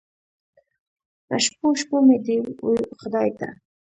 په شپو، شپو مې دې و خدای ته